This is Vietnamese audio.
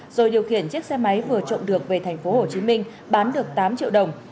rồi điều khiển chiếc xe máy vừa trộm được về thành phố hồ chí minh bán được tám triệu đồng